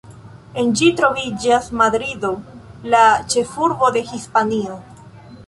En ĝi troviĝas Madrido, la ĉefurbo de Hispanio.